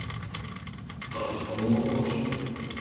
Dat is no wol oars.